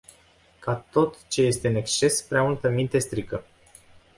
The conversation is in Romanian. Ca tot ce este în exces, prea multă minte strică.